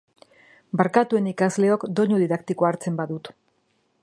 Barkatu, ene ikasleok, doinu didaktikoa hartzen badut.